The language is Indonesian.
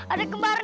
ada kembaran kamu